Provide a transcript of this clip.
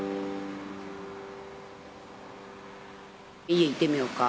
家行ってみようか。